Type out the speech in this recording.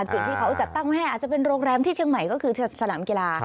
จุดที่เขาจัดตั้งไว้ให้อาจจะเป็นโรงแรมที่เชียงใหม่ก็คือสนามกีฬา